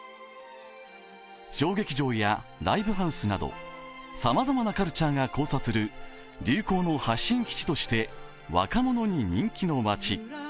小劇場やライブハウスなどさまざまなカルチャーが交差する流行の発信基地として若者に人気の街。